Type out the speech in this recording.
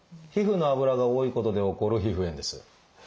皮膚の脂が多いことで起こる皮膚炎です。